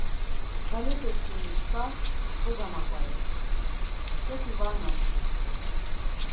Dalepeçkimi şkas kogomaǩores soti var moşkves.